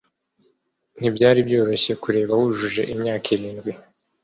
Ntibyari byoroshye kureba wujuje imyaka irindwi